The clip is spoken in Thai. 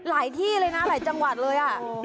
ที่เลยนะหลายจังหวัดเลย